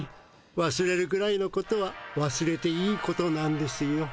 わすれるくらいのことはわすれていいことなんですよ。